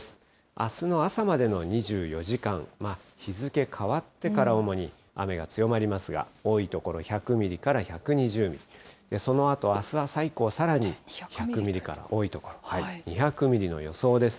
あすの朝までの２４時間、日付変わってから主に雨が強まりますが、多い所、１００ミリから１２０ミリ、そのあとあす朝以降、さらに１００ミリから多い所、２００ミリの予想です。